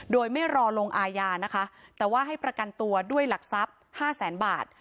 โดยไม่รอลงอาญานะคะแต่ว่าให้ประกันตัวด้วยหลักทรัพย์๕แสนบาท